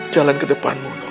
jalan ke depanmu nus